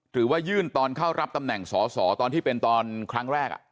หรือว่ายื่นตอนเข้ารับตำแหน่งสอสอตอนที่เป็นตอนครั้งแรก